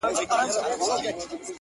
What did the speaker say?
چيري که خوړلی د غلیم پر کور نمګ وي یار